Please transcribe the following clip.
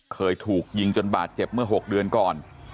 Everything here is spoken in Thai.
เคยถูกยิงจนบาดเจ็บเมื่อ๖เดือนก่อน